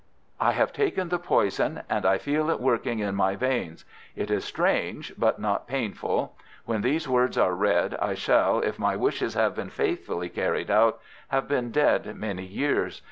"'I have taken the poison, and I feel it working in my veins. It is strange, but not painful. When these words are read I shall, if my wishes have been faithfully carried out, have been dead many years.